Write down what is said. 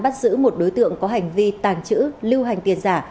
công chuyên án bắt giữ một đối tượng có hành vi tàng trữ lưu hành tiền giả